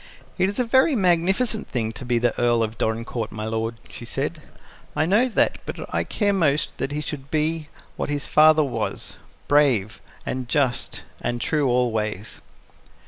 "It is a very magnificent thing to be the Earl of Dorincourt, my lord," she said. "I know that, but I care most that he should be what his father was brave and just and true always."